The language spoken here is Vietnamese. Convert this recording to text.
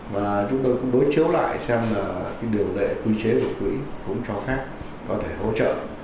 và chúng tôi cũng đối chiếu lại xem là điều lệ quy chế của quỹ cũng cho phép có thể hỗ trợ